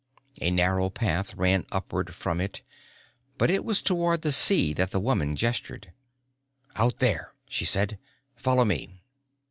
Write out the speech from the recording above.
A narrow path ran upward from it but it was toward the sea that the woman gestured. "Out there," she said. "Follow me."